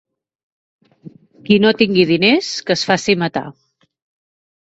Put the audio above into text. Qui no tingui diners, que es faci matar.